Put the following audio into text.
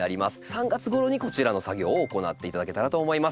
３月ごろにこちらの作業を行っていただけたらと思います。